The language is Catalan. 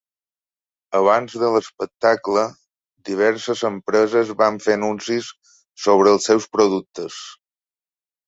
Abans de l'espectacle, diverses empreses van fer anuncis sobre els seus productes.